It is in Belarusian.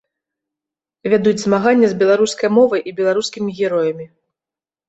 Вядуць змаганне з беларускай мовай і беларускімі героямі.